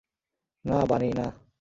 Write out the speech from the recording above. না, বানি, না!